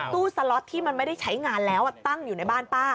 สล็อตที่มันไม่ได้ใช้งานแล้วตั้งอยู่ในบ้านป้า